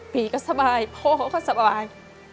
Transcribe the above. พี่ก็สบายพ่อเขาก็สบาย